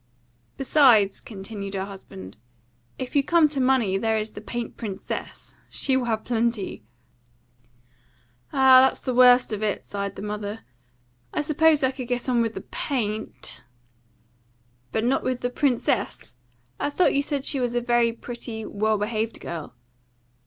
"Besides," continued her husband, "if you come to money, there is the paint princess. She will have plenty." "Ah, that's the worst of it," sighed the mother. "I suppose I could get on with the paint " "But not with the princess? I thought you said she was a very pretty, well behaved girl?"